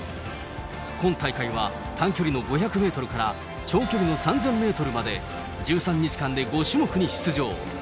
今大会は、短距離の５００メートルから、長距離の３０００メートルまで、１３日間で５種目に出場。